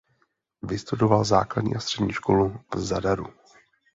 Vystudoval základní a střední školu v Zadaru.